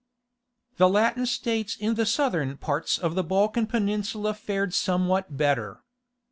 The Latin states in the southern parts of the Balkan Peninsula fared somewhat better.